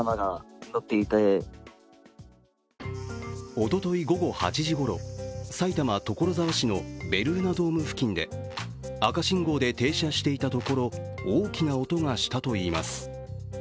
おととい午後８時ごろ埼玉・所沢市のベルーナドーム付近で赤信号で停車していたところ、大きな音がしたといいます。